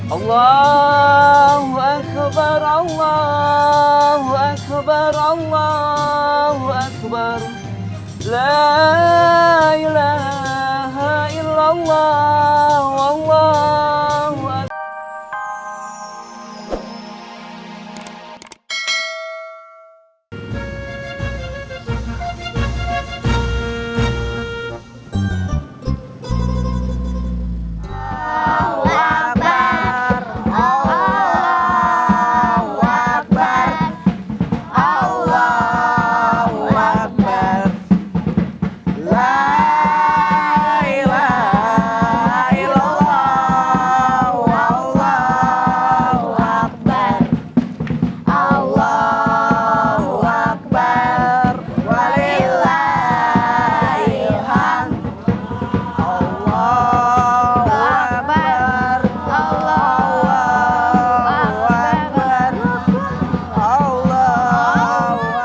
allah wabarakatuh allah wabarakatuh wadillahi ilham allah wabarakatuh allah wabarakatuh allah